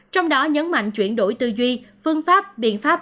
trong đó nhấn mạnh chuyển đổi tư duy phương pháp biện pháp